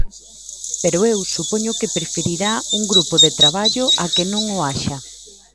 Pero eu supoño que preferirá un grupo de traballo a que non o haxa.